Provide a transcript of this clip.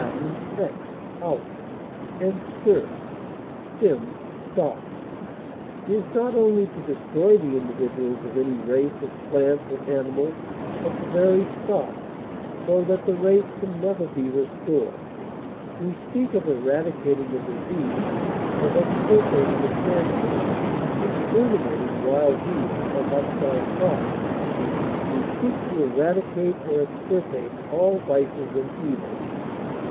ex, out, and stirps, stem, stock) is not only to destroy the individuals of any race of plants or animals, but the very stock, so that the race can never be restored; we speak of eradicating a disease, of extirpating a cancer, exterminating wild beasts or hostile tribes; we seek to eradicate or extirpate all vices and evils.